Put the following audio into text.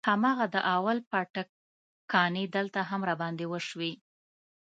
هماغه د اول پاټک کانې دلته هم راباندې وسوې.